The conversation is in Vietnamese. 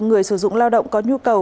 người sử dụng lao động có nhu cầu